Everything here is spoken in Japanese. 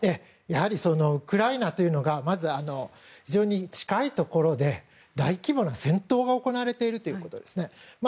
やはりウクライナというのがまず、非常に近いところで大規模な戦闘が行われているということですね。